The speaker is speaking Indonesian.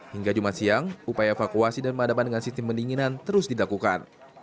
hingga jumat siang upaya evakuasi dan penghadapan dengan sistem pendinginan terus didakukan